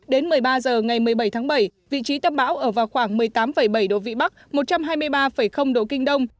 đến một mươi ba h ngày một mươi bảy tháng bảy vị trí tâm bão ở vào khoảng một mươi tám bảy độ vĩ bắc một trăm hai mươi ba độ kinh đông